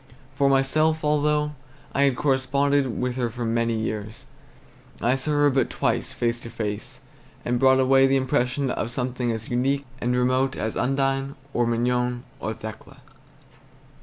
For myself, although I had corresponded with her for many years, I saw her but twice face to face, and brought away the impression of something as unique and remote as Undine or Mignon or Thekla.